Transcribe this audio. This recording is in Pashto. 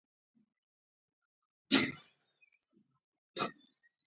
ډي بیرز د سوېلي افریقا د الماسو د کان کیندنې ستر شرکت وو.